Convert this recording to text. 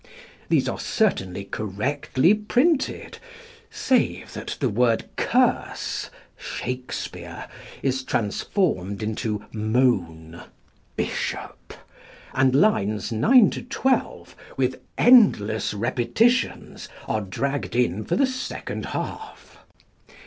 These are certainly correctly printed, save that the word "curse" (Shakespeare) is transformed into "moan" (Bishop), and lines 9 12, with endless repetitions, are dragged in for the second half.